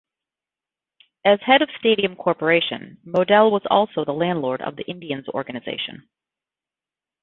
As head of Stadium Corporation, Modell was also the landlord of the Indians organization.